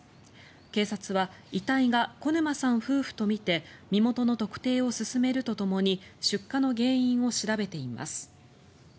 警察は遺体が小沼さん夫婦とみて身元の特定を進めるとともに出火の原因を調べています。